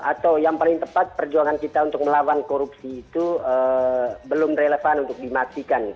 atau yang paling tepat perjuangan kita untuk melawan korupsi itu belum relevan untuk dimatikan